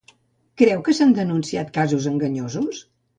Creu que s'han denunciat casos enganyosos?